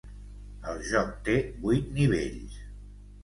El joc té vuit nivells.